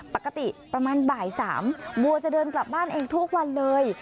ปกติประมาณบ่าย๓บัวจะเดินกลับบ้านเองทุกวันเลย